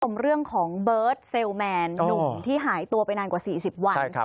คุณผู้ชมเรื่องของเบิร์ตเซลแมนหนุ่มที่หายตัวไปนานกว่า๔๐วัน